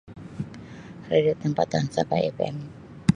Radio tempatan Sabah FM.